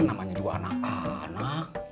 namanya juga anak anak